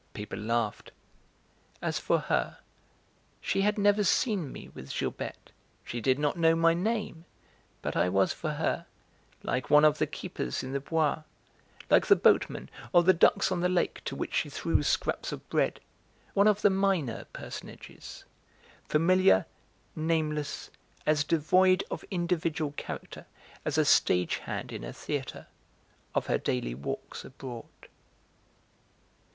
People laughed. As for her, she had never seen me with Gilberte, she did not know my name, but I was for her like one of the keepers in the Bois, like the boatman, or the ducks on the lake, to which she threw scraps of bread one of the minor personages, familiar, nameless, as devoid of individual character as a stage hand in a theatre, of her daily walks abroad.